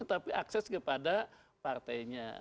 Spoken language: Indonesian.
tapi akses kepada partainya